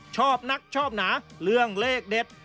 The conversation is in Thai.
ชอบนักชอบหนาเรื่องเลขเด็ด